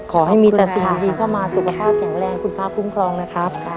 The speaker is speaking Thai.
ขอให้มีแต่สิ่งดีเข้ามาสุขภาพแข็งแรงคุณพระคุ้มครองนะครับ